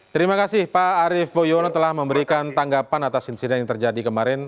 terima kasih pak arief boyono telah memberikan tanggapan atas insiden yang terjadi kemarin